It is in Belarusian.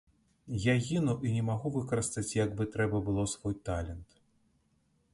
Я гіну і не магу выкарыстаць як бы трэба было свой талент.